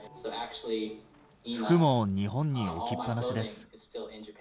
服も日本に置きっぱなしです。